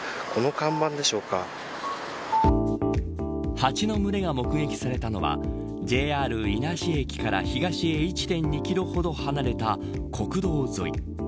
ハチの群れが目撃されたのはＪＲ伊那市駅から東へ１．２キロほど離れた国道沿い。